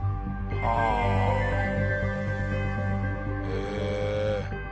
へえ。